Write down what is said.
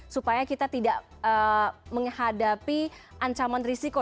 supaya kita tidak menghadapi ancaman risiko